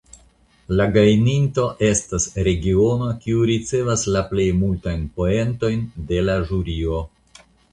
La gajninto estas la regiono kiu ricevas la plej multajn poentojn de la ĵurio.